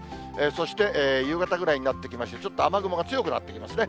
そして、夕方ぐらいになってきまして、ちょっと雨雲が強くなってきますね。